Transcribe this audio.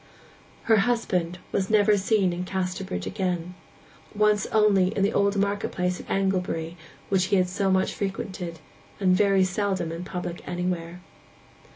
Her husband was never seen in Casterbridge again; once only in the old market place at Anglebury, which he had so much frequented, and very seldom in public anywhere.